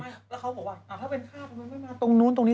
แล้วเขาบอกว่าอ้าวถ้าเป็นคราบล่ะมันไม่มาตรงนู้นตรงนี้